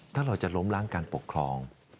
ถ้าเราจะล้มล้างการปกครอง